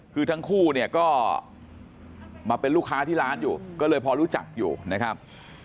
คือทั้งคู่เนี่ยก็มาเป็นลูกค้าที่ร้านอยู่ก็เลยพอรู้จักอยู่นะครับ